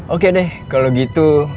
oke deh kalau gitu